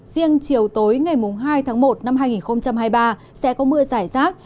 riêng chiều tối ngày hai tháng một năm hai nghìn hai mươi ba sẽ có mưa giải rác